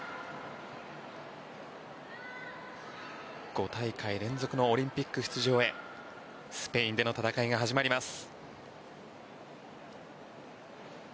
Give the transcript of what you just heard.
５大会連続のオリンピック出場へスペインでの戦いが始まります。